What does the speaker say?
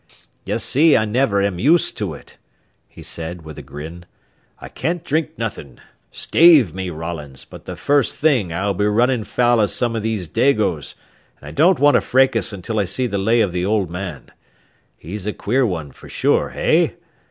"Ye see, I never am used to it," he said, with a grin. "I can't drink nothin'. Stave me, Rollins, but the first thing I'll be running foul of some of these Dagos, and I don't want a fracas until I see the lay of the old man. He's a queer one for sure, hey?